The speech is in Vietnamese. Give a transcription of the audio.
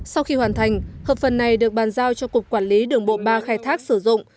sau khi hoàn thành hợp phần này được bàn giao cho cục quản lý đường bộ ba khai thác sử dụng